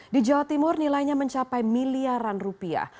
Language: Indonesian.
di jawa timur nilainya mencapai miliaran rupiah